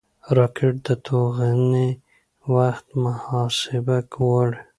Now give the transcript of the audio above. راکټ د توغونې وخت محاسبه غواړي